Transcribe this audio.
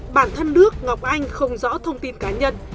bản thân nước ngọc anh không rõ thông tin cá nhân